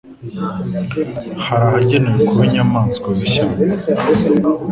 Hari ahagenewe kuba inyamaswa z'ishyamba